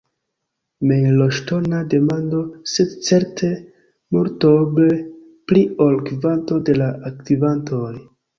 Mejloŝtona demando, sed certe multoble pli ol la kvanto de la aktivantoj.